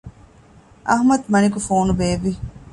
އަޙްމަދު މަނިކު ފޯނު ބޭއްވި